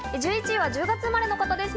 １１位は１０月生まれの方です。